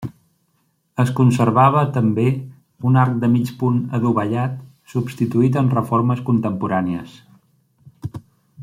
Es conservava, també, un arc de mig punt adovellat, substituït en reformes contemporànies.